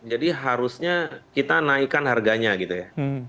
jadi harusnya kita naikkan harganya gitu ya